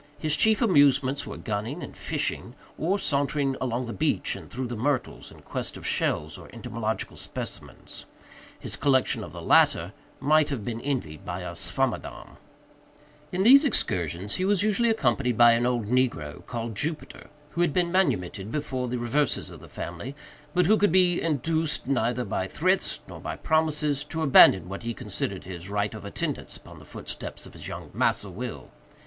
His chief amusements were gunning and fishing, or sauntering along the beach and through the myrtles, in quest of shells or entomological specimens—his collection of the latter might have been envied by a Swammerdamm. In these excursions he was usually accompanied by an old negro, called Jupiter, who had been manumitted before the reverses of the family, but who could be induced, neither by threats nor by promises, to abandon what he considered his right of attendance upon the footsteps of his young "Massa Will."